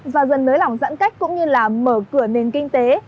và dần nới lỏng giãn cách cũng như là mở cửa nền kinh tế